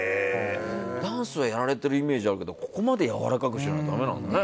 ダンスはやられてるイメージあるけどここまでやわらかくしないとだめなんだね。